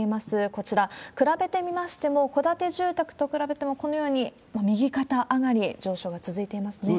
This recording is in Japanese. こちら、比べてみましても、戸建て住宅と比べても、このように右肩上がり、そうですね。